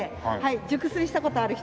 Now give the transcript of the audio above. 熟睡した事ある人？